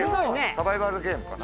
サバイバルゲームかな？